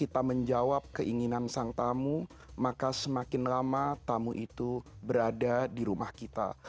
tentang tamu maka semakin lama tamu itu berada di rumah kita